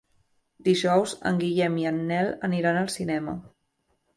Dijous en Guillem i en Nel aniran al cinema.